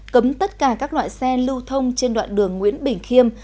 cấm tất cả các loại xe lưu thông trên đoạn đường nguyễn bình khiêm